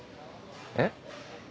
えっ？